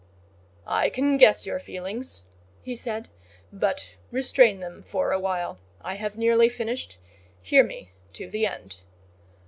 "I can guess your feelings," he said, "but restrain them for a while: I have nearly finished; hear me to the end.